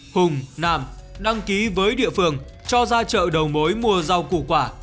hùng nam đăng ký với địa phương cho ra chợ đầu mối mua rau củ quả